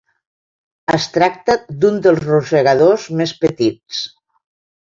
Es tracta d'un dels rosegadors més petits.